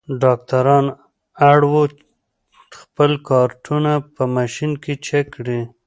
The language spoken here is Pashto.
ډاکټران اړ وو خپل کارټونه په ماشین کې چک کړي.